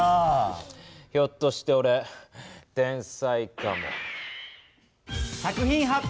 ひょっとしておれ天才かも。